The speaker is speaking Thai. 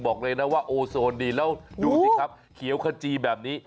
บอกเลยนะว่าโอโซนดีแล้วดูสิครับเขียวขจีแบบนี้